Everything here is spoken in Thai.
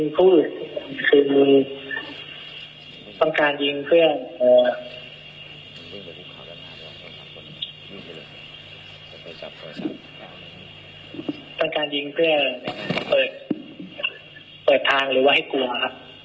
คุณต้องการยิงเพื่อเปิดทางหรือให้กลัวครับ